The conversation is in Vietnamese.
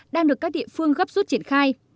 đang được các địa phương gấp rút triển khai